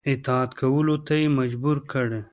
اطاعت کولو ته یې مجبور کړي.